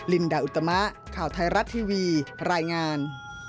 ลินดาอุตมะข่าวไทยรัฐทีวีรายงาน